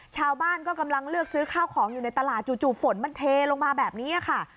ชาวบ้านก็กำลังเลือกซื้อข้าวของอยู่ในตลาดจู่ฝนมันเทลงมาแบบนี้ค่ะ